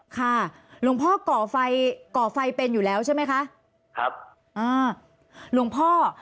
ค่ะหลวงพ่อก่อไฟก่อไฟเป็นอยู่แล้วใช่ไหมคะครับอ่าหลวงพ่อ